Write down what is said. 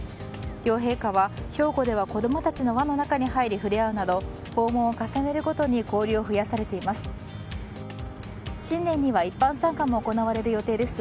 両陛下は兵庫では子供たちの輪の中に入り触れ合うなど訪問を重ねるごとに交流を増やされています。